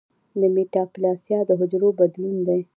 د میټاپلاسیا د حجرو بدلون دی.